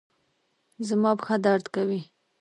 زما پښه درد کوي